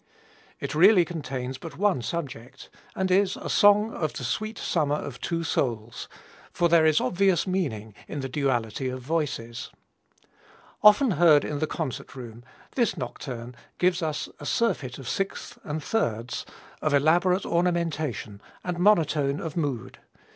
It really contains but one subject, and is a song of the sweet summer of two souls, for there is obvious meaning in the duality of voices. Often heard in the concert room, this nocturne gives us a surfeit of sixths and thirds of elaborate ornamentation and monotone of mood.